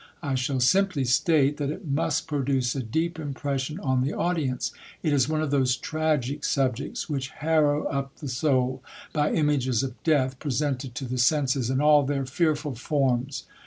I shall simply state that it must produce a deep impression on the audience. It is one of those tragic subjects which harrow up the soul, by images of death presented to the senses in all their fearful forms.